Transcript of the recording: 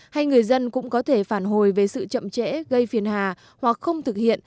hay người dân cũng có thể phản hồi về sự chậm trễ gây phiền hà hoặc không thực hiện